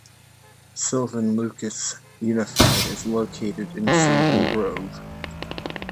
Sylvan-Lucas Unified is located in Sylvan Grove.